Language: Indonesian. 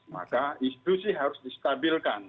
maka institusi harus distabilkan